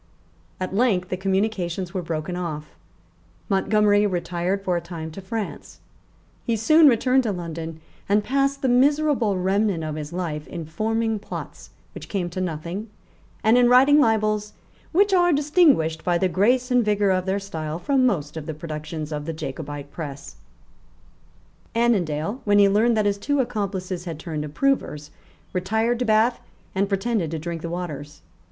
At length the communications were broken off. Montgomery retired for a time to France. He soon returned to London, and passed the miserable remnant of his life in forming plots which came to nothing, and in writing libels which are distinguished by the grace and vigour of their style from most of the productions of the Jacobite press, Annandale, when he learned that his two accomplices had turned approvers, retired to Bath, and pretended to drink the waters.